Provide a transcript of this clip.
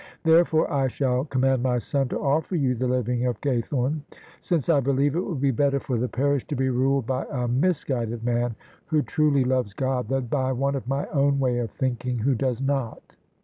Therefore I shall com mand my son to offer you the living of Gaythome, since I believe it will be better for the parish to be ruled by a mis guided man who truly loves God, than by one of my own way of thinking who does not."